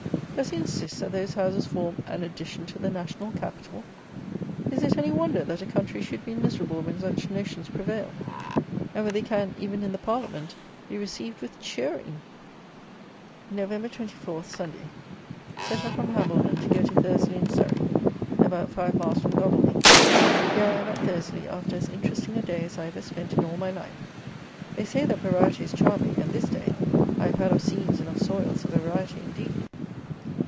Does he insist, that those houses form "an addition to the national capital?" Is it any wonder that a country should be miserable when such notions prevail? And when they can, even in the Parliament, be received with cheering? Nov. 24, Sunday. Set off from Hambledon to go to Thursley in Surrey, about five miles from Godalming. Here I am at Thursley, after as interesting a day as I ever spent in all my life. They say that "variety is charming," and this day I have had of scenes and of soils a variety indeed!